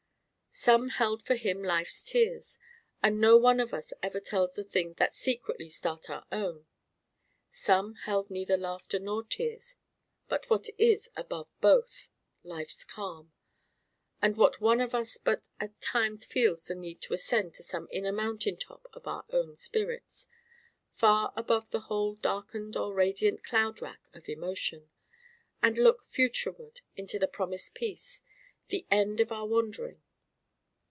Some held for him life's tears; and no one of us ever tells the things that secretly start our own. Some held neither laughter nor tears but what is above both life's calm; and what one of us but at times feels the need to ascend to some inner mountain top of our own spirits far above the whole darkened or radiant cloud rack of emotion and look futureward into the promised peace, the end of our wandering.